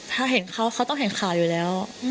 ถ้าเห็นเขาเขาต้องเห็นข่าวอยู่แล้ว